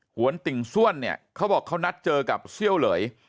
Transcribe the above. หวนติ่งส้วนเนี่ยเขาบอกเขานัดเจอกับเซี่ยวเหลย